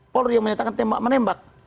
polri yang menyatakan tembak menembak